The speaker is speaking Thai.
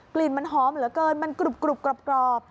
ลิ่นมันหอมเหลือเกินมันกรุบกรอบ